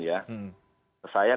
saya ketemu dengan pak menteri agama